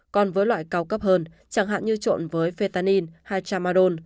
còn với loại cao cấp hơn chẳng hạn như trộn với fetanin hay chamadol